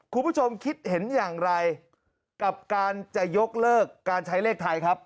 คุณผู้ชมคิดเห็นอย่างไรกับการจะยกเลิกการใช้เลขไทยครับ